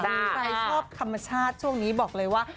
ใครชอบธรรมชาติช่วงนี้บอกเลยว่า